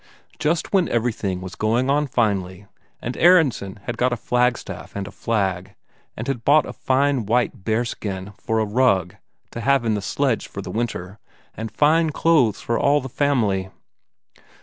Just when everything was going on finely, and Aronsen had got a flagstaff and a flag, and had bought a fine white bearskin for a rug to have in the sledge for the winter, and fine clothes for all the family